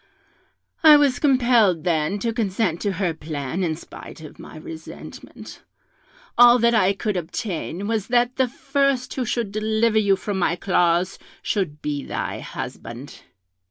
I was compelled then to consent to her plan, in spite of my resentment; all that I could obtain was that the first who should deliver you from my claws should be thy husband.